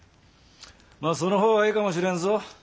まあその方がいいかもしれんぞ。